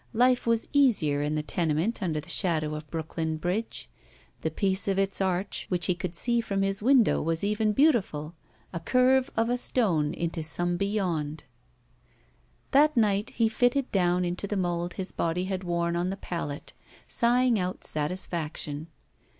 Life was easier in the tenement under the shadow of Brooklyn Bridge. The piece of its arch which he 269 ROULETTE could see from his window was even beautiful, a curve ct a stone into some beyond. That night he fitted down into the mold his body had worn on the pallet, sighing out satisfaction.